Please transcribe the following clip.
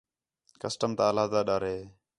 کسٹم تا علیحدہ ڈَر ہِے